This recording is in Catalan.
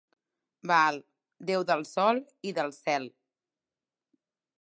Baal, déu del Sol i del Cel.